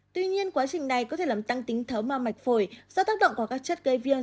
tuy nhiên quá trình này có thể làm tăng tính thấu ma mạch phổi do tác động của các chất gây viêm